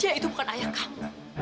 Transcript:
ya itu bukan ayah kamu